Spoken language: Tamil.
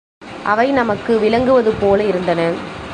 அவை நமக்கு விளங்குவதுபோல இருந்தன.